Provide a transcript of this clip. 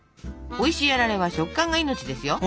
おいしいあられは食感が命ですよ。